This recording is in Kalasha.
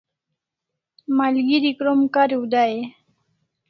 Malgeri krom kariu dai e?